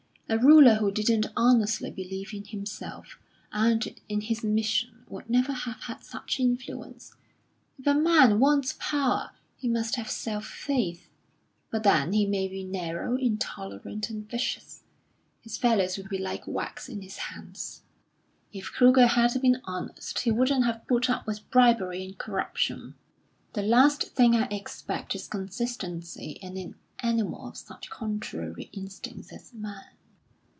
A ruler who didn't honestly believe in himself and in his mission would never have had such influence. If a man wants power he must have self faith; but then he may be narrow, intolerant, and vicious. His fellows will be like wax in his hands." "If Kruger had been honest, he wouldn't have put up with bribery and corruption." "The last thing I expect is consistency in an animal of such contrary instincts as man."